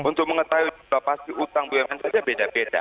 untuk mengetahui juga pasti utang bumn saja beda beda